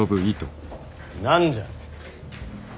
何じゃ。